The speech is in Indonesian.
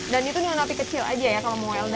dan itu dengan api kecil aja ya kalau mau weldan ya